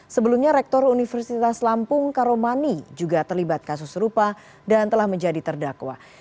sebelumnya rektor universitas lampung karomani juga terlibat kasus serupa dan telah menjadi terdakwa